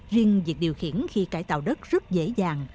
riêng việc điều khiển khi cải tạo đất rất dễ dàng